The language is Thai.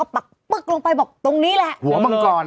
หัวมังกร